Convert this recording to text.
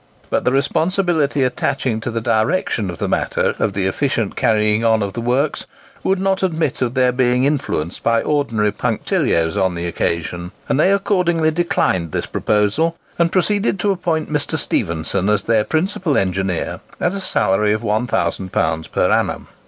But the responsibility attaching to the direction in the matter of the efficient carrying on of the works, would not admit of their being influenced by ordinary punctilios on the occasion; and they accordingly declined this proposal, and proceeded to appoint Mr. Stephenson their principal engineer at a salary of £1000 per annum.